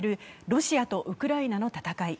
ロシアとウクライナの戦い。